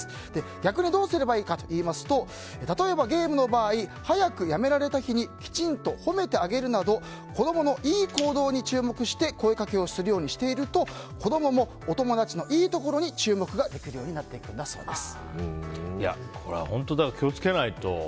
逆にどうすればいいかというと例えばゲームの場合早くやめられた日にきちんと褒めてあげるなど子供のいい行動に注目して声かけをするようにしていると子供もお友達のいいところに注目が行くようにこれは本当気を付けないと。